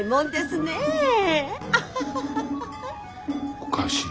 おかしい。